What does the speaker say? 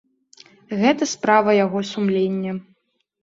Гэта справа яго сумлення.